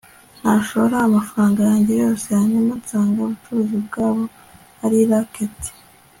nashora amafaranga yanjye yose hanyuma nsanga ubucuruzi bwabo ari racket